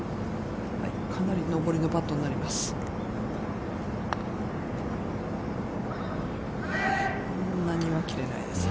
かなり上りのパットになります。